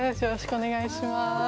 よろしくお願いします。